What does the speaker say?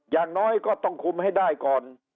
อย่างน้อยก็ต้องคุมให้ได้ก่อน